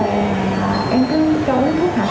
thì xong rồi em cứ cho uống thuốc hạt